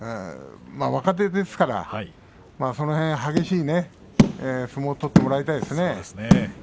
まあ若手ですからその辺、激しい相撲を取ってもらいたいですね。